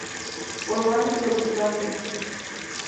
Orbán es protestante.